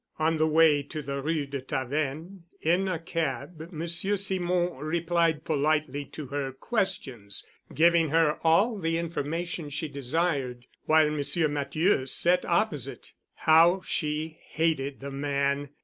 On the way to the Rue de Tavennes in a cab Monsieur Simon replied politely to her questions, giving her all the information she desired, while Monsieur Matthieu sat opposite. How she hated the man!